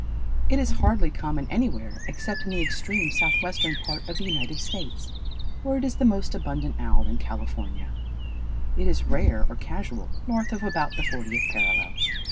It is hardly common anywhere except in the extreme southwestern part of the United States, where it is the most abundant owl in California. It is rare or casual north of about the fortieth parallel.